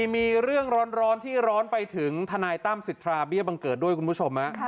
มีเรื่องร้อนที่ร้อนไปถึงทนายตั้มสิทธาเบี้ยบังเกิดด้วยคุณผู้ชม